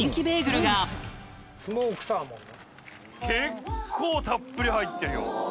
結構たっぷり入ってるよ！